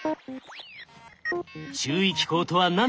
注意機構とは何なのか。